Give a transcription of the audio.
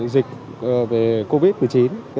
dịch về covid một mươi chín